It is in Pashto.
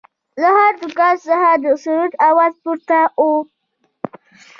له هر دوکان څخه د سروذ اواز پورته و.